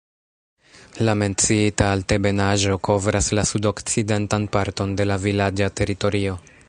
La menciita altebenaĵo kovras la sudokcidentan parton de la vilaĝa teritorio.